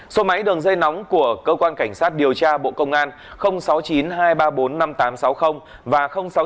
số máy đường dây nóng của cơ quan cảnh sát điều tra bộ công an sáu mươi chín hai trăm ba mươi bốn năm nghìn tám trăm sáu mươi và sáu mươi chín hai trăm ba mươi một một nghìn sáu trăm